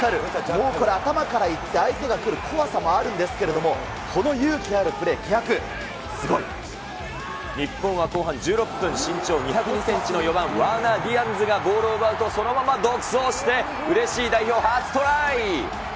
ここは頭からいって相手が来る怖さがあるんですけれども、この勇日本は後半１６分、身長２０２センチの４番ワーナー・ディアンズがボールを奪うとそのまま独走して、うれしい代表初トライ。